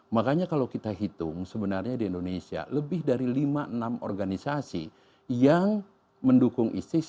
makanya kalau kita hitung sebenarnya di indonesia lebih dari lima enam organisasi yang mendukung isis